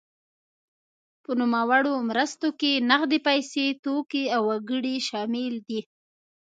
په نوموړو مرستو کې نغدې پیسې، توکي او وګړي شامل دي.